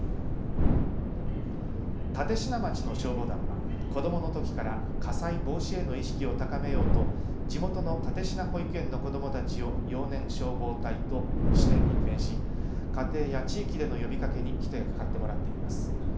立科町の消防団は子どものときから火災防止への意識を高めようと地元のたてしな保育園の子どもたちを幼年消防隊として任命し家庭や地域での呼びかけに一役買ってもらっています。